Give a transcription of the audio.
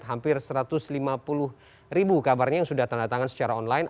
hampir satu ratus lima puluh ribu kabarnya yang sudah tanda tangan secara online